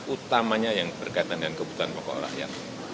utamanya yang berkaitan dengan kebutuhan pokok rakyat